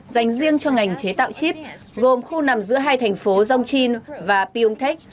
dành riêng cho ngành chế tạo chip gồm khu nằm giữa hai thành phố dongchin và pyeongtaek